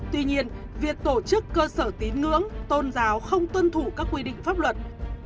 tuy nhiên việc tổ chức cơ sở tín ngưỡng tôn giáo không tuân thủ các quy định pháp luật